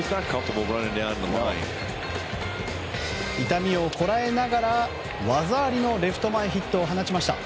痛みをこらえながら技ありのレフト前ヒットを放ちました。